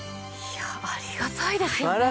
いやありがたいですよね。